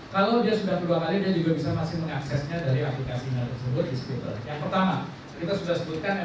kalau dia sembilan puluh dua kali dia juga bisa masih mengaksesnya dari aplikasinya tersebut di skuter